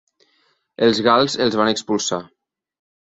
Els gals els van expulsar.